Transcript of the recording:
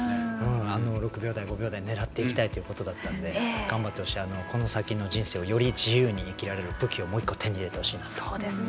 ６秒台、５秒台を狙っていきたいということだったので頑張ってほしいしこの先の人生をより自由に生きられる武器をもう１個手に入れてほしいと思います。